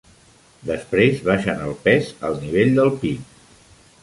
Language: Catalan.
Després baixen el pes al nivell del pit.